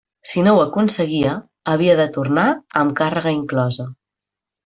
Si no ho aconseguia, havia de tornar amb càrrega inclosa.